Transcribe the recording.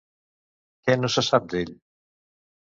Què no se sap d'ell?